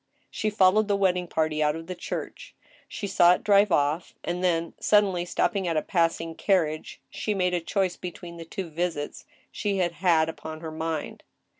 She followed the wedding party out of the church. She saw it drive off, and then, suddenly stopping a passing carriage, she made a choice between the two visits she had had upon her mind.